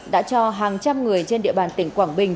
đã cho hàng trăm người trên địa bàn tỉnh quảng bình